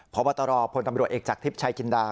พบตรพลตำรวจเอกจากทิพย์ชายจินดา